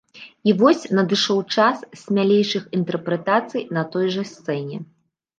І вось надышоў час смялейшых інтэрпрэтацый на той жа сцэне.